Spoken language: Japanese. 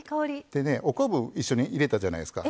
でねお昆布一緒に入れたじゃないですか。